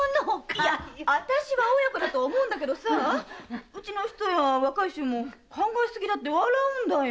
いや私は親子だと思うんだけどうちの人や若い衆も考え過ぎだって笑うのよ。